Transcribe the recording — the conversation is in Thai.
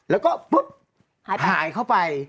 แล้วก็ปุ๊บหายเข้าไป